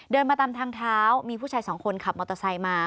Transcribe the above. มาตามทางเท้ามีผู้ชายสองคนขับมอเตอร์ไซค์มา